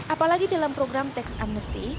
apalagi dalam program tax amnesty